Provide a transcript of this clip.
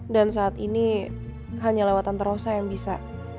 dan saat ini hanya lewat antara rosa yang bisa